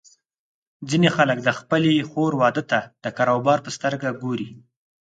ځینې خلک د خپلې خور واده ته د کاروبار په سترګه ګوري.